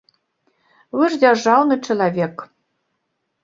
Вы ж дзяржаўны чалавек.